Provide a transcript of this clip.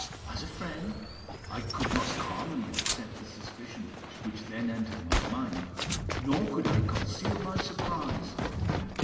As a friend, I could not calmly accept the suspicion which then entered my mind, nor could I conceal my surprise.